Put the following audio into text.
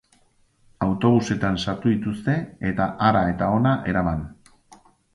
Autobusetan sartu dituzte, eta hara eta hona eraman.